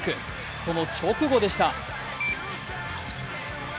その直後でした。